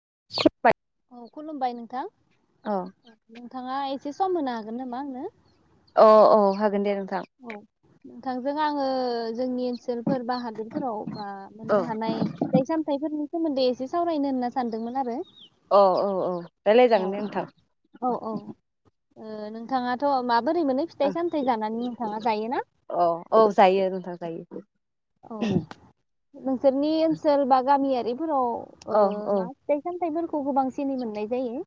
[unintelligible] औ खुलुमबाय नोंथां अ नोंथाङा एसे सम होनो हागोन नामा आंनो अ अ हागोन दे नोंथां औ नोंथांजों आङो जोंनि ओनसोल फोर बा हादोरफोराव बा औ मोननो हानाय फिथाइ सामथाइफोरनि सोमोन्दै एसे सावरायनो होनना सानदोंमोन आरो अ औ औ औ रायलायजागोन दे औ औ नोंथां ओ नोंथाङाथ' मा जायोना ओ अ औ जायो नोंथां जायो औ नोंसोरनि ओनसोल बा गामि फोराव ओ औ औ मा फिथाइ सामथाइफोर खौबो गोबांसिनै मोननाय जायो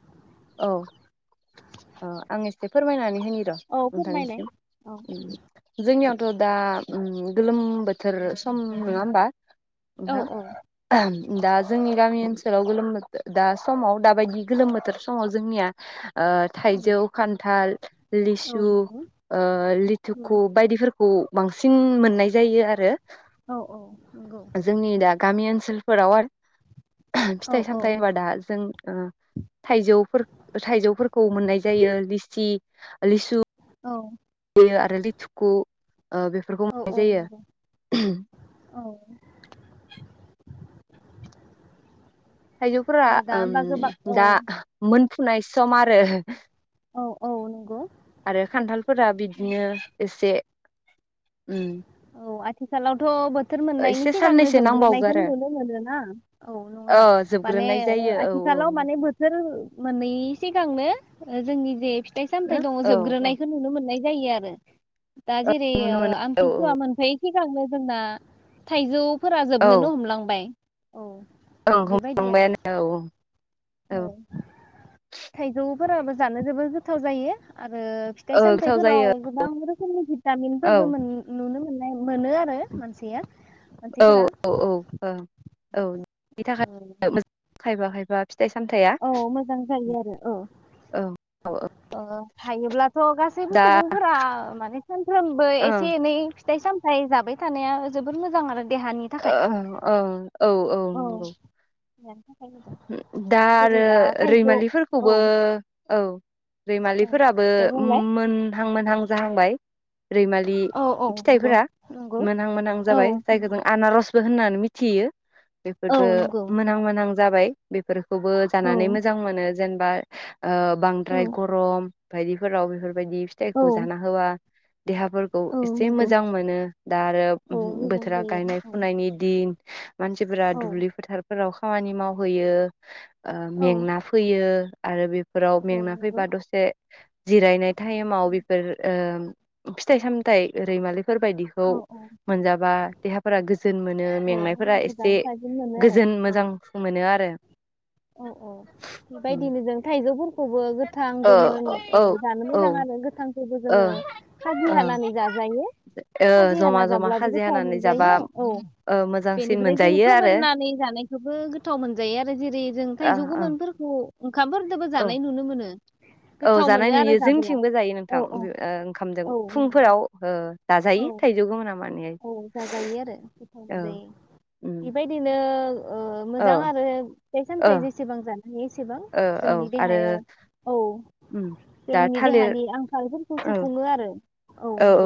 औ ओ आं एसे फोरमायनानै होनि र' औ फोरमायनाय नोंथांनिसिम औ उम जोंनियाव दा उम गोलोम बो थोर सम नङा होमबा औ नोंथां दा जोंनि गामि ओनसोलाव गोलोमो बोथोर दा समाव दा बायदि गोलोम बोथोर अ जोंनिया ओ थाइजौ खान्थाल औ लिसु नंगौ ओ औ लिथुखु बायदिफोरखौ खौ बांसिन मोननाय जायो आरो औ औ नंगौ जोंनि दा गामि ओनसोल फोराव आरो औ फिथाइ औ सामथायाइ होनबा दा जों ओ थाइजौ थाइजौफोरखौ मोननाय जायो लिसि लिुसु औ बे आरो लिथुखु बेफोरखौ औ मोननाय औ जायो नंगौ औ ओ थाइजौफोरा दा होमबा गोबां दा औ मोन फुनाय सम आरो औ औ नंगौ आरो खान्थालफोरा बिदिनो एसे उम औ आथिखालावथ' बो बोथोर मोननायनि एसे सिगांनो साननैसो नांबावगौ जोबग्रोनायखो आरो नुनो मोनोना औ नङा माने जोबग्रोनाय जायो औ औ आथिखालाव माने बोथोर मोननैनि सिगांनो जोंनि जे फिथ थाइ सामथाइ दङ औ औ जोबग्रोनायखौ नुनो मोननाय जा जायो आरो। दा जेरै नुनो ओ मोनो औ आमथि मोनफैयि‌ सिगांनो जोंना थाइजौ फोरा जोबनोनो हमलांबाय औ औ बेबायदि आरो हमलांबायानो औ औ थाइजौ फोराबो जानो जोबोद गोथाव जायो आरो आरो फिथाइ औ गोथाव सामथायाइफोराव जायो गोबां रोखोम [unintelligible] गामिनि औ फोरबो मोन नुनो [unintelligible] मोनो आरो मानसिया मानसिफोरा औ औ ओ औ बिनि थाखाय [unintelligible] खायफा खायफा फिथाइ सामथाइया औ मोजां जायो आरो औ औ औ औ। ओ हायोब्लाथ' गासैबो सुबुंफोरा माने सानफ्रोमबो ओं एसे एनै फिथाइ सामथाय जाबाय थानाया जोबोर मोजां आरो देहानि ओ थाखाय औ औ औ नंगौ देहानि थाखाय मोजां दा जेरै आरो दा थाइजौ औ रैमालिफोरखौबो औ औ रैमालिफोराबो दे बुंलाय मोनहां मोनहां जाहांबाय। रैमालि औ औ नंगौ फिथाइफोरा नंगौ मोनहां मोनहां औ जाबाय जायखौ नंगौ जों आनारसबो होननानै मिथियो। औ बेफोरबो नंगौ मोनहां मोनहां जाबाय बेफोर खौबो औ जानानै मोजां मोनो जेनबा ओ औ बांद्राय गरम बायदिफोराव बेफोर बायदि औ फिथाइखौ जाना होबा देहाफोरखौ औ एसे नंगौ मोजां मोनो दा आरो औ मोजां बोथोरा जायो गायनाय आरो फुनायनि दिन मानसिफोरा औ दुब्लि फोथारफोराव खामानि मावहैयो ओ औ मेंना फैयो आरो बे फोराव औ मेंना नंगौ फैबा दसे जिरायनाय टाइमाव बेफोर ओ फिथाइ सामथाइ रैमालिफोर बायदिखौ औ औ मोनजाबा देहा फोरा गोजोन मोनो औ मेंनायफोरा मोजां एसे थाजिम मोनो आरो गोजोन औ मोजां मोनो आरो औ औ ओ बेबायदिनो जों थाइजौफोर खौबो गोथां औ गोमोन औ ओ जानो ओ मोजां आरो गोथां ओ जोङो खाजि हानानै जाजायो ओ खाजि जमा हाना जमा जाब्लाबो खाजि गोथाव हानानै जाबा मोनजायो औ ओ मोजांसिन बेनिफ्राय जों मोनजायो आरो फोमोननानै जानायखौबो गोथाव मोनजायो आरो। जेरै जों थाइजौ ओ गोमोनफोरखौ औ ओंखामफोरजोंबो ओ जानाय नुनो मोनो। औ गोथाव जानाय मोनो आरो नुयो जाबोला जोंथिंबो जायो औ नोंथां औ ओ ओंखामजों औ नंगौ फुंफोराव ओ औ जाजायो थाइजौगोमोना माने औ जाजायो आरो गोथाव औ मोनजायो उम बेबायदिनो ओ औ मोजां आरो फिथाइ ओ सामथाय जेसेबां जान एसेबां ओ औ जोंनि आरो देहायाव औ उम दा जोंनि थालिर देहानि आंखाल फोर खौ औ सुफुङो आरो औ औ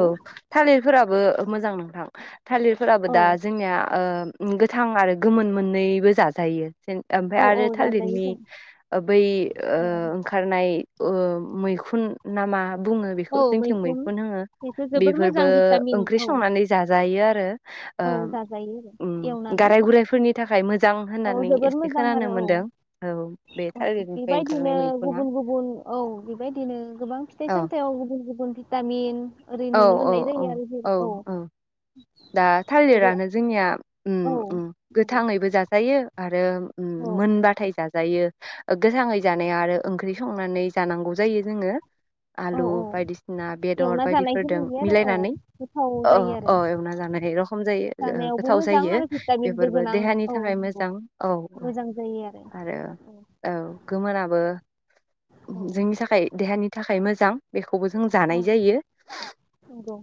थालिरफोराबो मोजां नोंथां थालिरफोराबो औ दा जोंनिया ओ गोथां आरो गोमोन मोननैबो जाजायो। ओमफ्राय औ औ आरो जाजायो थालिरनि जों बै ओ औ ओंखारनाय ओ मैखुन नामा? बुङो बेखौ औ जोंथिंबो मैखुन बेसो जोबोर मोजां बेफोरबो भिटामिन ओंख्रि औ संनानै जाजायो आरो औ आरो ओ जाजायो आरो उम एवनानै गाराय गुरायफोरनि थाखाय मोजां औ होननानै जोबोद एसे मोजां खोनानो आरो औ मोनदों औ बे औ थालिरनिफ्राय ओंखारनाय बेबायदिनो मैखुना गुबुन गुबुन औ बेबायदिनो गोबां फिथाइ औ सामथायाव गुबुन गुबुन भिटामिन ओरै औ नुनो मोननाय औ जायो आरो जेरै औ दा जेरै थालिरानो जोंनिया उम औ उम नंगौ गोथाङैबो जाजायो आरो आरो औ मोनबाथाय जा जायो गोथाङै जानाया आरो ओंख्रि संनानै जानांगौ जायो जोङो। औ आलु औ बायदिसिना बेदर एवना जानायखौ बायदिफोरदों नुयो आरो औ मिलायनानै गोथाव अ जायो आरो अ एवनानै जानायरखम जायो जानायावबो गोथाव मोजां जायो आरो भिटामिनबो बेफोरबो गोनां देहानि औ थाखाय नंगौ मोजां औ औ मोजां जायो आरो औ गोमोननाबो औ जोंनि थाखाय देहानि थाखाय मोजां बे खौबो जों जानाय औ जायो नंगौ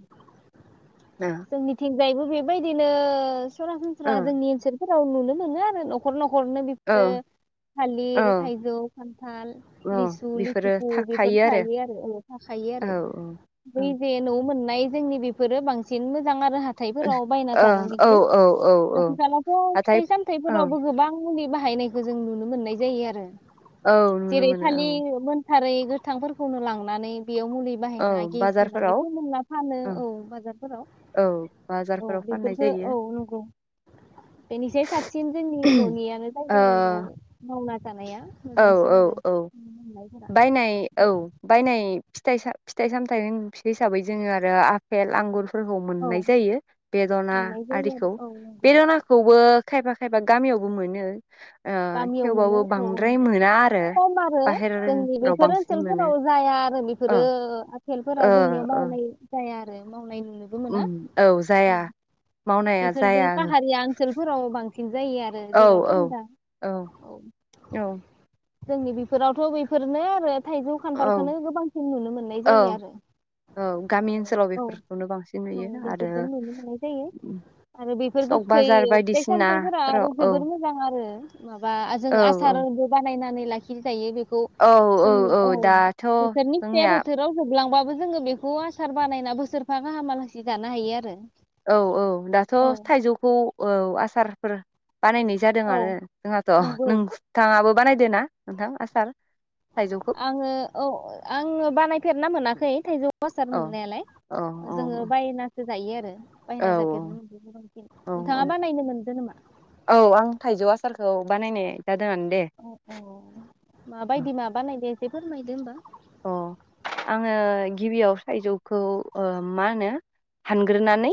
ओ जोंनिथिंजायबो बेबायदिनो ओ ओ सरासनस्रा जोंनि ओनसोलफोर नुनो मोनो आरो नखर नखर हरनो औ बेफोरो औ थालिर थाइजौ खान्थाल औ लिसु बेफोरो लिफुफु बेफोर थाखायो थायो आरो अनेक थाखायो औ आरो औ बै जेे न मोननाय जोंनि बेफोरो बांसिन मोजां आरो हाथायफोराव बायना ओ जानायनिख्रुइ औ औ औ आथिखालावथ' हाथाय फिथाइ औ सामथाइफोरावबो गोबां मुलि बाहायनायखौ जों नुनो मोननाय जायो आरो औ नुनो मोनो औ थारै गोथांफोरखौनो लांनानै बेयाव मुलि औ बाहायना गेस होनानै बाजारफोराव फोमना फानो औ बाजारफोराव औ औ बाजारफोराव फाननाय बेफोरफोरखौ जायो औ नंगौ बेनिफ्राय साबसिन जोंनि न'नियानो ओ जायो आरो न' मावनानै औ औ औ बायनाय औ बायनाय फिथाइ सामथा फिथाइ सामथायाइ हिसाबै जोङो आरो आपेल आंगुर फोरखौ औ मोननाय जायो बेदना मोननाय जायो आरो आरिखौ औ नंगौ बेदनाखौबो खायफा खायफा गामियावबो मोनो ओ गामियाव मोनो थेवबाबो औ बांदा औ खम आरो जोंनि बेफोर बांसिन मोनो ओनसोलफोराव जाया आरो बेफोरो औ आफेलफोरा ओ जोंनियाव ओ मावनाय जाया आरो मावनायनि नुनोबो मोना उम औ जाया मावनाया बेफोर जाया बै फाहारिया ओनसोलफोराव बांसिन जायो आरो औ जेराव थान्दा औ औ जोंनि बेफोरावथ' बेफोरनो आरो थाइजौ औ खान्थालखौनो गोबांसिन नुनो मोननाय औ जायो आरो औ गामि ओनसोलाव औ बेफोरखौनो बांसिन औ नुयो आरो बेफोरखौ नुनो मोननाय जायो आरो बेफोर सक गोखै बाजार फिथाइ सामथायफोरा बायदिसिनाफोराव आरो औ जोबोर मोजां आरो बा जों औ आसार औ बो बाना नानै लाखि जायो बेफोर खौ जों औ बोथोरनि फिथाया जोंनिया बोथोराव जोबलांबाय जोङो बेखौ आसार बानायना बोसोरफा गाहामालासि जानो हायो आरो औ औ दाथ' औ थाइजौखौ औ आसारफोर बानायनाय जादों औ आनो जोंहाथ' नंगौ नोंथाङाबो बानायदो ना नोंथां आसार थाइजौखौ आङो औ आङो बानायफेरना मोनाखै खै थायजौ आसार औ मोननायालाय औ औ जोङो औ बायना सो जायो आरो औ बायना जाफेरनो मोन औ नोंथाङा बानायनो मोनदो नामा बानायायनाय अ अ माबायदि माबानायदो दे फोरमायदो होमबा अ आङो गिबियाव थायजौखौ ओ मा होनो हानग्रोनानै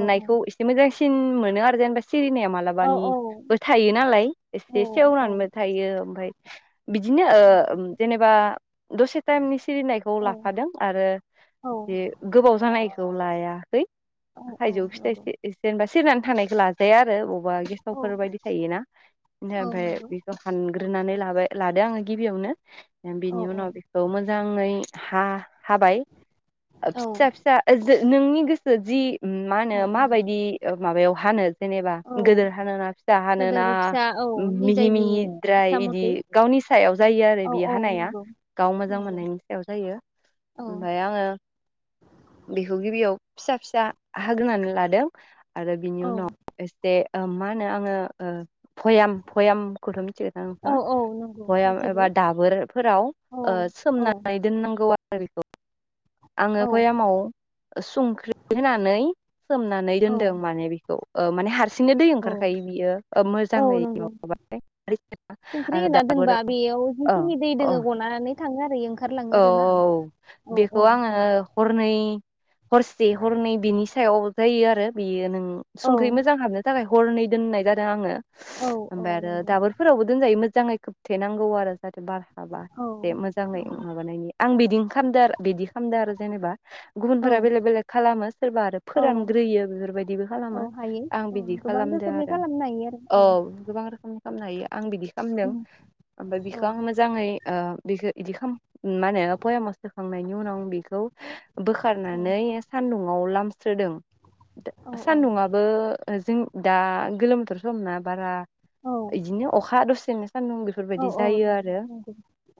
औ एसे मोजांसि न मोनो आरो जेनबा सिरिनाया औ औ मालाबानिबो थायो नालाय औ एसे औ सेवनानैबो थायो ओमफाय बिदिनो ओ जेनेबा दसे टाइमनि सिरिनायखौ लाफादों आरो औ जि गोबाव जानाय खौ लायाखै औ औ थाइजौ नंगौ फिथाइसो [unintelligible] सिरिनानै थानायखौ लाजाया आरो अब बा औ गेसावफोर बायदि थायोना औ [unintelligible] नंगौ बेखौ हानग्रोनानै लाबाय लादो आङो गिबियावनो औ बिनि औ उनाव बेखौ मोजाङै हा हाबाय औ फिसा फिसा नोंनि गोसो जि मा होनो औ औ माबायदि ओ माबायाव हानो जेनेबा औ गोदोर हानोना फिसा हानोना गोदोर फिसा औ मिहि निजायनि मिहिद्राय इसा इदि मथै गावनि सायाव जायो आरो औ बे औ हानाया नंगौ गाव मोजां नंगौ मोननायनि सायाव जायो औ ओमफ्राय आङो बेखौ गिबियाव फिसा फिसा हाग्रोनानै लादों आरो बिनि औ उनाव एसे ओ मा होनो आङो ओ भयाम भयामखौथ' मिथिगौ औ औ नंगौ नोंथाङा मिथिगौ एबा दाबोरफोराव औ ओ औ सोमनानै दोननांगौ। गौ आरो बेखौ। आङो औ भयामाव संख्रि होनानै सोमनानै औ दोनदों माने बेखौ ओ माने हारसिंनो दै औ ओंखारखायो बियो औ मोजाङै नंगौ माबाबा संख्रि आरो होना दोनबा दाबोराव बेयाव औ जिखिनि दै औ दोङो गनानै थाङो आरो इयो ओंखारलाङो औ आरोना औ औ औ बेखौ आङो नंगौ हरनै हरसे हरनै बिनि सायाव जायो आरो बेयो नों औ संख्रि मोजांहाबनो थाखाय हरनै दोननाय जादों आङो औ औ ओमफ्राय आरो नंगौ दाबोरफोरावबो दोनजायो मो मोजाङै खोबथेनांगौ आरो जाहाथे बार हाबा औ एसे मोजाङै नंगौ माबानायनि आं बिदि बिदिं खालामदो आरो बिदि खालामदो आरो जेनेबा औ गुबुनफोरा बेलेग बेलेग खालामो सोरबा आरो औ फोरानग्रोयो बेफोरबायदिबो खालामो औ हायो आं औ बिदि गोबां खालामदो रोखोमनि आरो खालामनो हायो आरो औ गोबां रोखोमनि खामनो हायो। आं बिदि खालामदों उम ओमफ्राय बिखौ औ आं मोजाङै ओ बिखौ बिदि खालाम मा होनो बयामाव सो नायनि उनावखौ बेखौ औ बोखारनानै सन्दुंआव लामस्रा औ स्रोदों सान्दुंआबो जों दा गोलोमबोथोर समना बारा औ बिदिनो अखा दसेनो सान्दुं औ बेफोरबायदि औ जायो नंगौ आरो नंगौ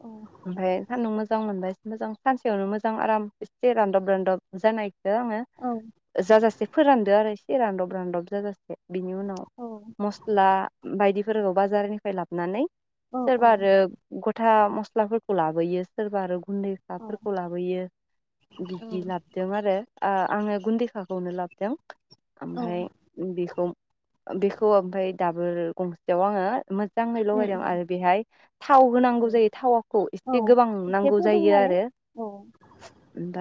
औ ओमफाय मोजां मोनबाय एसे मोजां सानसेयावनो मोजां आराम एसे रानदब रानदब जानाय। आङो औ जाजासे फोरानदो आरो बे रान्दब रान्दब जासे बिनि उनाव औ मस्ला बायदि फोरखौ बाजारनिफ्राय लाबनानै औ सोरबा आरो ग फथा मस्लाफोरखौ लाबोयो। सोरबा आरो गुन्दै औ खाफोरखौ लाबोयो बिदि लाबोदों आरो ओ आङो गुन्दैखाखौनो लाबोदों ओमफाय बेखौ बेखौ ओमफाय दाबोर गंसेयाव आङो मो मोजाङै उम लगायदों उम आरो बेहाय थाव औ होनांगौ जायो थावखौ औ एसे [unintelligible] गोबां एसे नांगौ जायो फुदुंनानै आरो औ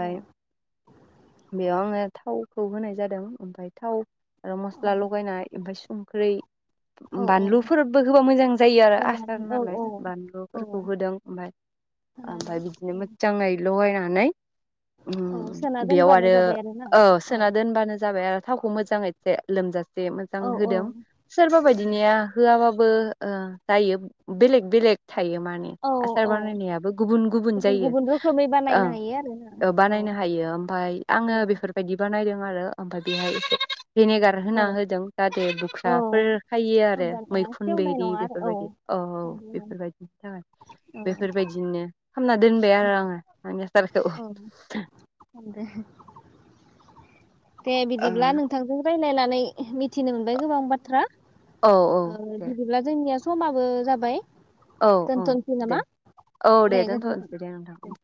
औ बेयाव आङो थावखौ होनाय जादों ओमफाय थाव आरो औ मस्ला लगायनाय ओमफाय गोख्रै औ औ बानलुफोरबो होबा मोजां जायो आरो आसार होनानै औ नालाय औ औ बानलुफोरखौ होदों ओमफाय खांनानै आमफाय बिदिनो मोजांङै लगायनानै औ सोना बेयाव दोनबानो आरो जाबाय आरोना औ सोना दोनबानो जाबाय आरो थावखौ मोजाङै एसे लोमजासे मोजां औ औ होदों सोरबा बायदिनिया होआबाबो बो ओ जायो बेलेक बेलेक थायो माने आसार औ बानायनाय बो गुबुन गुबुन जायो रोखोमै बानायनो हायो आरोना ओ औ बानायनो हायो ओमफ्राय आङो औ बेफोरबायदि बानायदों आरो ओमफाय बेहाय एसे भिनेगार होना होदों जाहाथे औ बुख्राफोर खायि आरो होमबानिया मैखुन सेवनाय बेरि नङा आरो बेफोरबायदि औ औ बेफोरबायदिनि थाखाय बे बेफोरबायदिनो खालामामना दोनबाय आरो आङो आसारखौ औ दे दे बिदिब्ला ओं नोंथांजों रायलायनानै मिथिनो मोनबाय गोबां बाथ्रा औ औ ओ दे बिदिब्ला जोंनिया समाबो जाबाय औ औ दोनथ'नोसै दे नामा औ दे दोनथ'नोसै दे नोंथां [inaudible]